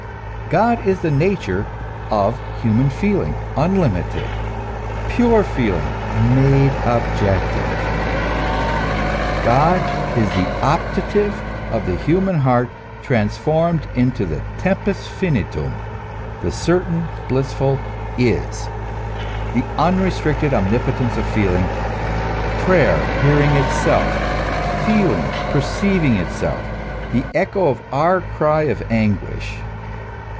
God is the nature of human feeling, unlimited, pure feeling, made objective. God is the optative of the human heart transformed into the tempus finitum, tlie certain, blissful "is," the unrestricted omnipotence of feeling, prayer hearing itself, feeling perceiving itself, the echo of our cry of anguish.